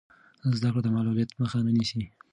زده کړه د معلولیت مخه نه نیسي.